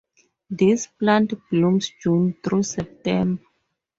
This plant blooms June through September.